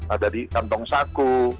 ada di kantong saku